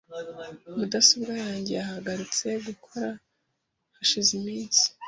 Mudasobwa yanjye yahagaritse gukora hashize iminsi .